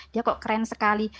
dia kok keren sekali